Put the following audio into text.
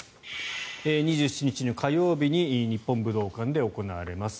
２７日、火曜日に日本武道館で行われます。